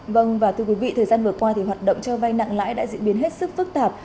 vâng và thưa quý vị thời gian vừa qua thì hoạt động cho vay nặng lãi đã diễn biến hết sức phức tạp